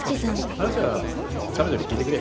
話は彼女に聞いてくれ。